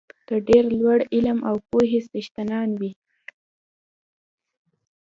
د ډېر لوړ علم او پوهې څښتنان وي.